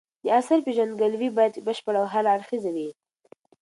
د اثر پېژندګلوي باید بشپړه او هر اړخیزه وي.